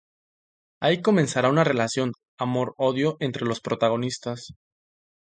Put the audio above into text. Ahí comenzará una relación amor-odio entre los dos protagonistas.